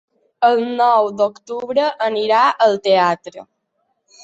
El nou d'octubre anirà al teatre.